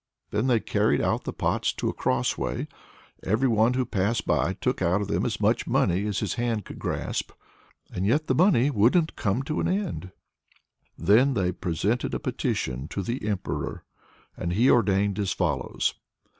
Then they carried out the pots to a crossway. Every one who passed by took out of them as much money as his hand could grasp, and yet the money wouldn't come to an end. Then they presented a petition to the Emperor, and he ordained as follows.